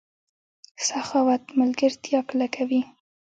سخاوت ملګرتیا کلکوي.